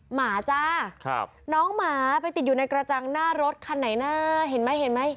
หมาจ้าครับน้องหมาไปติดอยู่ในกระจังหน้ารถคันไหนนะเห็นไหมเห็นไหม